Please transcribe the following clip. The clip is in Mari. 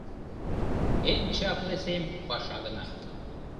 Эн чапле сем — паша гына.